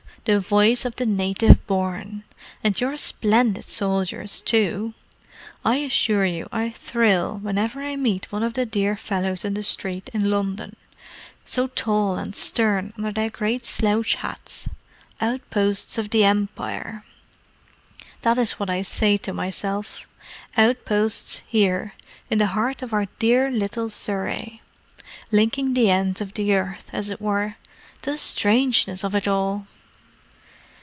The voice of the native born. And your splendid soldiers, too!—I assure you I thrill whenever I meet one of the dear fellows in the street in London. So tall and stern under their great slouch hats. Outposts of Empire, that is what I say to myself. Outposts here, in the heart of our dear little Surrey! Linking the ends of the earth, as it were. The strangeness of it all!"